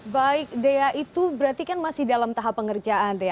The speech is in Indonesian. baik dea itu berarti kan masih dalam tahap pengerjaan dea